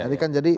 ini kan jadi